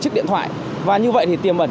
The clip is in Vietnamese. chiếc điện thoại và như vậy thì tiềm ẩn